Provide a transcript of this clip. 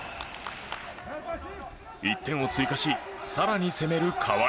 １点を追加し更に攻める川井。